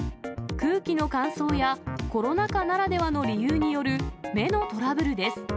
空気の乾燥やコロナ禍ならではの理由による目のトラブルです。